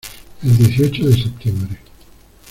el dieciocho de septiembre.